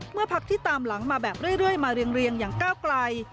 พักที่ตามหลังมาแบบเรื่อยมาเรียงอย่างก้าวไกล